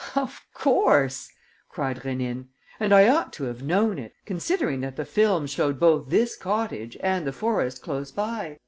"Of course!" cried Rénine. "And I ought to have known it, considering that the film showed both this cottage and the forest close by.